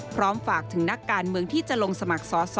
พร้อมฝากถึงนักการเมืองที่จะลงสมัครสอสอ